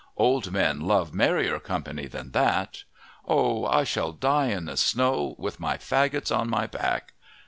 Old men love merrier company than that. Oh! I shall die in the snow with my faggots on my back.